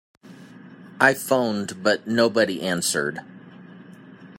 I phoned but nobody answered.